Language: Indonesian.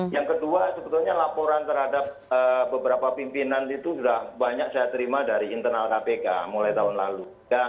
yang kedua sebetulnya laporan terhadap beberapa pimpinan itu sudah banyak saya terima dari internal kpk mulai tahun lalu